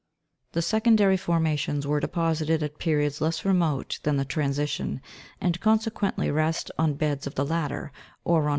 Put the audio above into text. The secondary formations were deposited at periods less remote than the transition, and consequently rest on beds of the latter, or on